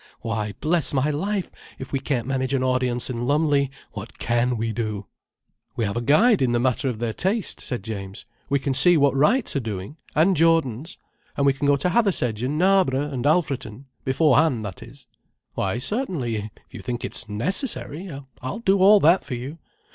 Why bless my life, if we can't manage an audience in Lumley, what can we do." "We have a guide in the matter of their taste," said James. "We can see what Wright's are doing—and Jordan's—and we can go to Hathersedge and Knarborough and Alfreton—beforehand, that is—" "Why certainly—if you think it's necessary. I'll do all that for you.